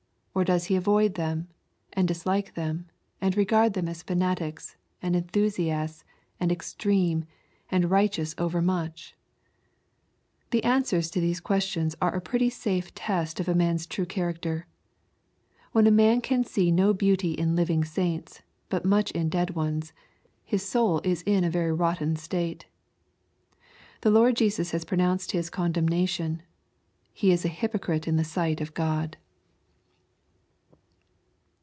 — Or does he avoid them, and dislike them, and regard them as fanatics, and enthusiasts, and ex treme, and righteous overmuch ?— The answers to these questions are a pretty safe test of a man's true charac ter. When a man can see no beauty in living saints, but much in dead ones, his soul is in a very rotten state. The Lord Jesus has pronounced his condemnation. He b a hypocrite in the sight of God.